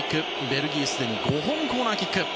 ベルギー、すでに５本コーナーキック。